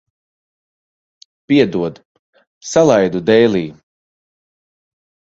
Piedod, salaidu dēlī.